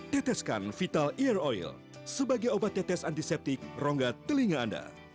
teteskan vital ear oil sebagai obat tetes antiseptik rongga telinga anda